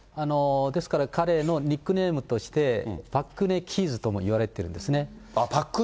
ですから、彼のニックネームとして、パク・クネキッズともいわれているんですね。